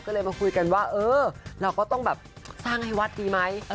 ก็เลยมาคุยกันว่าเออเราก็ต้องแบบสร้างให้วัดดีไหม